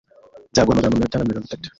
Nzaguhamagara mu minota nka mirongo itatu